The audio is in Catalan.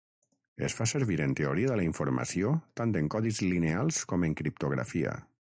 Es fa servir en teoria de la informació tant en codis lineals com en criptografia.